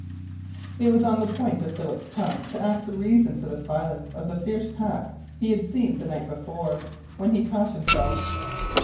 It was on the point of Philip's tongue to ask a reason for the silence of the fierce pack he had seen the night before, when he caught himself.